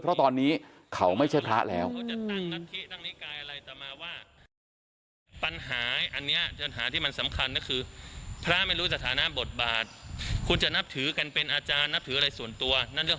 เพราะตอนนี้เขาไม่ใช่พระแล้ว